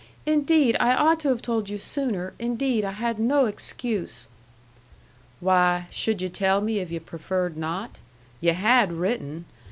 "Indeed I ought to have told you sooner! Indeed I had no excuse!" "Why, should yu' tell me if yu' preferred not? You had written.